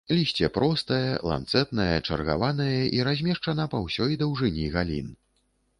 Лісце простае, ланцэтнае, чаргаванае і размешчана па ўсёй даўжыні галін.